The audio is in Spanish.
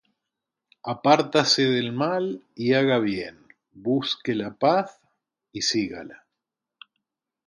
Apártase del mal, y haga bien; Busque la paz, y sígala.